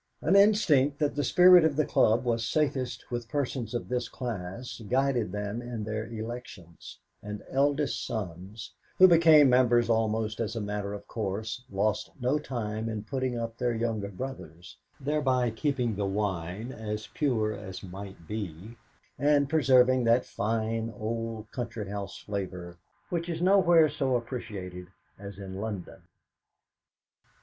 An instinct that the spirit of the club was safest with persons of this class guided them in their elections, and eldest sons, who became members almost as a matter of course, lost no time in putting up their younger brothers, thereby keeping the wine as pure as might be, and preserving that fine old country house flavour which is nowhere so appreciated as in London.